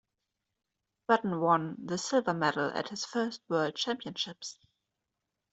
Button won the silver medal at his first World Championships.